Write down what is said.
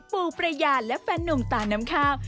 ปู่ประยาและแฟนหนุ่มตาน้ำข้าว